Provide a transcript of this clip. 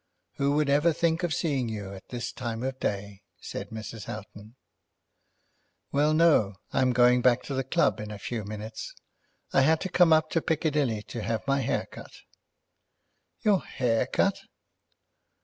"Who would ever think of seeing you at this time of day?" said Mrs. Houghton. "Well, no; I'm going back to the club in a few minutes. I had to come up to Piccadilly to have my hair cut!" "Your hair cut!"